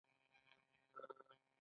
ایا زه باید د یوریک اسید ټسټ وکړم؟